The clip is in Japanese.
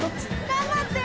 頑張って！